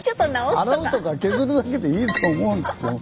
洗うとか削るだけでいいと思うんですけども。